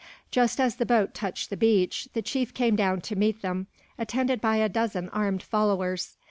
Just as the boat touched the beach, the chief came down to meet them, attended by a dozen armed followers.